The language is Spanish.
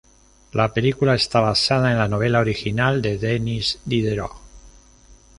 La película está basada en la novela original de Denis Diderot.